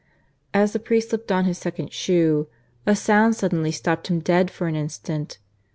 As the priest slipped on his second shoe, a sound suddenly stopped him dead for an instant.